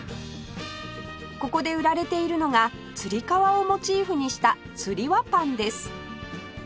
ここで売られているのがつり革をモチーフにしたつりわぱんです